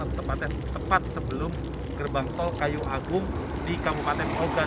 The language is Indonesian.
tepatnya tepat sebelum gerbang tol kayu agung di kabupaten ogan